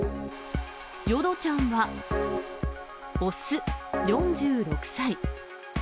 淀ちゃんは、雄、４６歳。